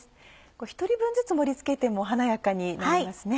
１人分ずつ盛りつけても華やかになりますね。